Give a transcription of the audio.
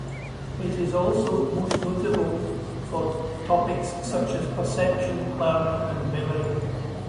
It is also most notable for topics such as, Perception, Learning, and Memory.